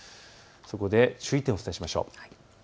そこで注意点をお伝えしましょう。